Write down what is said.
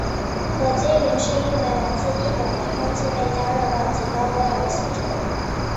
火积云是因为来自地表的空气被加热到极高温而形成。